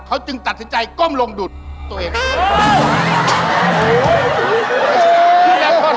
เขาจึงตัดสินใจก้มลงดุดตัวเอง